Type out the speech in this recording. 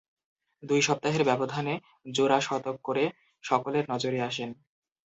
দুই সপ্তাহের ব্যবধানে জোড়া শতক করে সকলের নজরে আসেন।